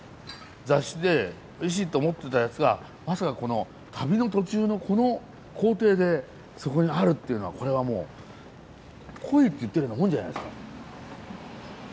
雑誌でおいしいと思ってたやつがまさか旅の途中のこの行程でそこにあるっていうのはこれはもう来いって言ってるようなもんじゃないですか？